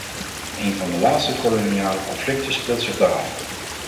Een van de laatste koloniale conflicten speelt zich daar af.